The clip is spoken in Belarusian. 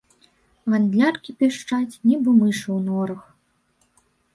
Гандляркі пішчаць, нібы мышы ў норах.